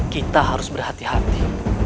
kita harus berhati hati